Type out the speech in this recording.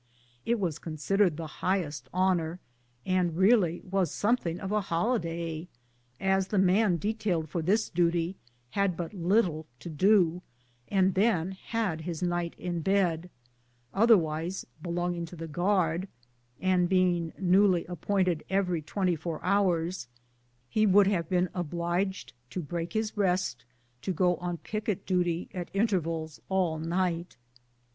It was considered the highest honor, and really was something of a holi day, as the man detailed for this duty had but little to do, and then had his night in bed ; otherwise, belonging to the guard, and being newly appointed every twenty four hours, he would have been obliged to break his rest to go on picket duty at intervals all night.